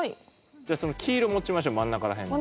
じゃあその黄色持ちましょう真ん中ら辺の。